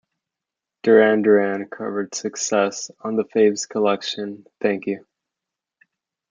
Duran Duran covered "Success" on the faves collection "Thank You".